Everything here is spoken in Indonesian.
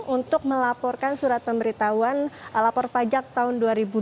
untuk melaporkan surat pemberitahuan lapor pajak tahun dua ribu dua puluh